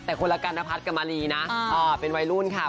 แต่คนละกันนพัฒน์กับมารีนะเป็นวัยรุ่นค่ะ